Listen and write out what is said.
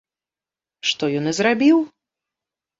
Што ён і зрабіў.